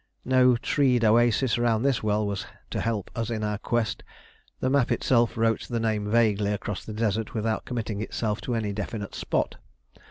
No treed oasis round this well was to help us in our quest; the map itself wrote the name vaguely across the desert without committing itself to any definite spot.